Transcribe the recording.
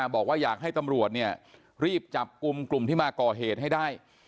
บอกว่าอยากให้ตำรวจรีบจับกลุ่มกลุ่มที่มาก่อเหตุให้ได้